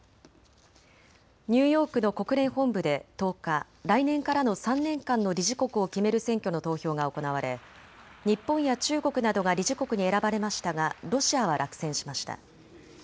ニューヨークの国連本部で１０日、来年からの３年間の理事国を決める選挙の投票が行われ日本や中国などが理事国に選ばれましたがロシアは落選しました。